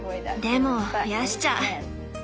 でも増やしちゃう！